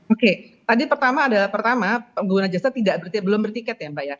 oke tadi pertama adalah pertama pengguna jasa belum bertiket ya mbak ya